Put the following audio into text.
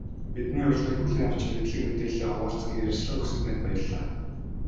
Бидний урилгыг хүлээн авч, мэдлэг мэдээллээ хуваалцан ярилцлага өгсөн танд баярлалаа.